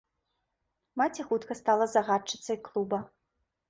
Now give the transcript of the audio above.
Маці хутка стала загадчыцай клуба.